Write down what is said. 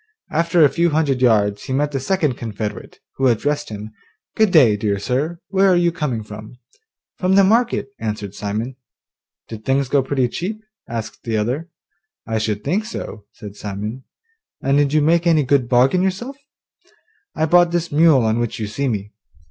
After a few hundred yards he met the second confederate, who addressed him, 'Good day, dear sir, where are you coming from?' 'From the market,' answered Simon. 'Did things go pretty cheap?' asked the other. 'I should just think so,' said Simon. 'And did you make any good bargain yourself?' 'I bought this mule on which you see me.